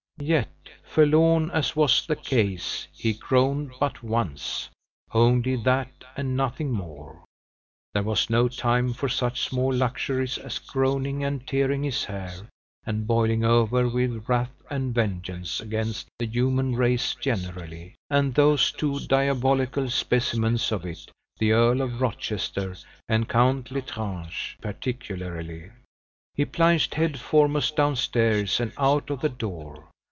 Yet, forlorn as was the case, he groaned but once, "only that and nothing more;" there was no time for such small luxuries as groaning and tearing his hair, and boiling over with wrath and vengeance against the human race generally, and those two diabolical specimens of it, the Earl of Rochester and Count L'Estrange, particularly. He plunged head foremost down stairs, and out of the door.